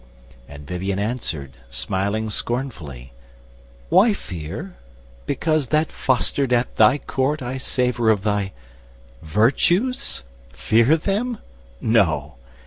And Vivien answered, smiling scornfully, "Why fear? because that fostered at thy court I savour of thy—virtues? fear them? no.